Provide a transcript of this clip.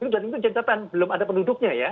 jadi itu jangkapan belum ada penduduknya ya